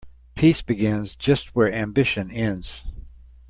Peace begins just where ambition ends.